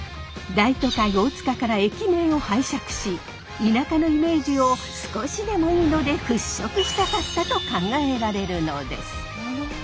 大塚から駅名を拝借し田舎のイメージを少しでもいいので払拭したかったと考えられるのです。